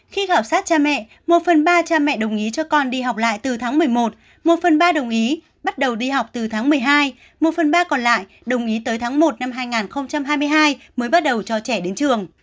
khi khảo sát cha mẹ một phần ba cha mẹ đồng ý cho con đi học lại từ tháng một mươi một một phần ba đồng ý bắt đầu đi học từ tháng một mươi hai một phần ba còn lại đồng ý tới tháng một năm hai nghìn hai mươi hai mới bắt đầu cho trẻ đến trường